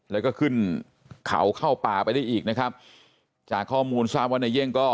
แล้วก็ขึ้นเขาเข้าป่าไปได้อีกนะครับจากข้อมูลทราบว่านายเย่งก็